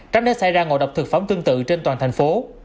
tránh để xảy ra ngộ độc thực phẩm tương tự trên toàn thành phố